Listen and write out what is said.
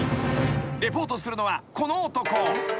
［リポートするのはこの男］